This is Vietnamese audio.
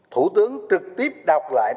thủ tướng trực tiếp đọc lại